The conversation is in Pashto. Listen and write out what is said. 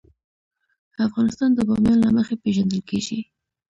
افغانستان د بامیان له مخې پېژندل کېږي.